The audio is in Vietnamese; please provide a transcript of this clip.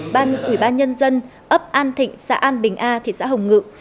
ban ủy ban nhân dân ấp an thịnh xã an bình a thị xã hồng ngự